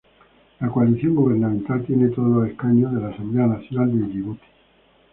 La coalición gubernamental tiene todos escaños de la Asamblea Nacional de Yibuti.